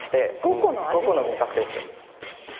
５個の味覚です。